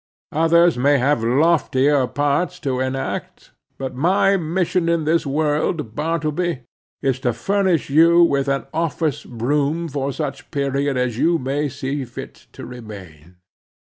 Others may have loftier parts to enact; but my mission in this world, Bartleby, is to furnish you with office room for such period as you may see fit to remain.